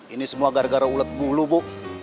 ini semua gara gara ulet bulu bu